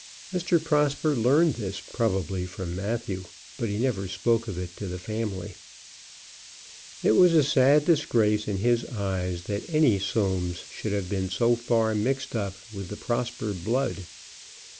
Mr. Prosper learned this, probably, from Matthew, but he never spoke of it to the family. It was a sad disgrace in his eyes that any Soames should have been so far mixed up with the Prosper blood.